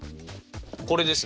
これですね。